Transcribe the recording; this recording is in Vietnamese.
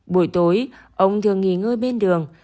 buổi tối ông thường nghỉ ngơi bên đường